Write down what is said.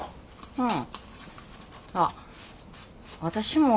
うん。